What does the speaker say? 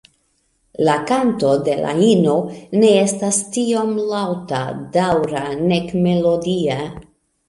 La kanto de la ino ne estas tiom laŭta, daŭra nek melodia.